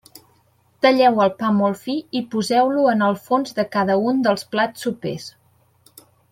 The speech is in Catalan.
Talleu el pa molt fi i poseu-lo en el fons de cada un dels plats sopers.